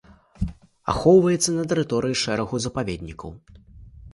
Ахоўваецца на тэрыторыі шэрагу запаведнікаў.